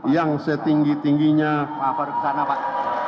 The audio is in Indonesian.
yang setinggi tingginya pak farid zanabat